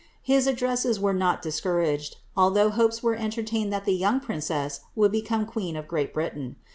His addresses were not discouraged, although hopes were entertained that the young princess would become queen of Great Britain.